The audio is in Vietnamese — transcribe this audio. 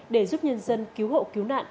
để giúp nhân dân cứu hộ cứu nạn